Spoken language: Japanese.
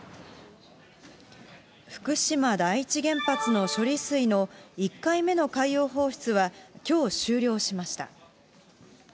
福島第一原発の処理水の１回目の海洋放出は、きょう終了しました。